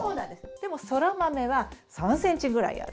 でもソラマメは３ｃｍぐらいある。